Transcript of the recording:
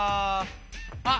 あっ！